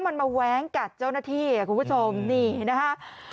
มันมาแว้งกัดเจ้าหน้าที่ครับทุกคุณผู้ชม